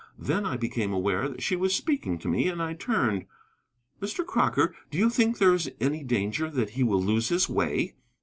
Then I became aware that she was speaking to me, and I turned. "Mr. Crocker, do you think there is any danger that he will lose his way?"